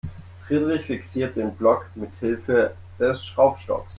Friedrich fixierte den Block mithilfe des Schraubstocks.